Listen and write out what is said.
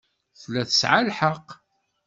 Tella tesɛa lḥeqq.